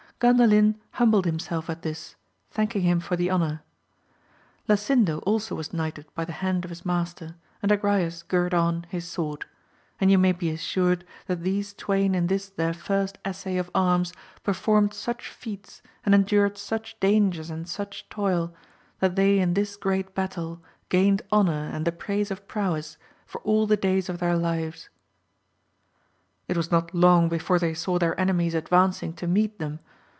Gandalin humbled himseK at this, thanking him for the honour. Lasindo also was knighted by the hand of his master, and Agrayes girt on his sword ; and you may be as sured that these twain in this their first essay of arms, performed such feats, and endured such dangers and such toil, that they in this great battle gained honour and the praise of prowess for all the days of their lives. It was not long before they saw their enemies ad vancing to meet them.